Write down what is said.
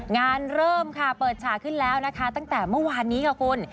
งานเริ่มค่ะเปิดฉากขึ้นแล้วนะคะตั้งแต่เมื่อวานนี้ค่ะคุณ